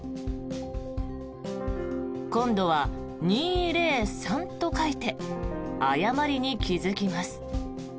今度は２０３と書いて誤りに気付きます。